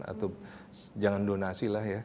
atau jangan donasi lah ya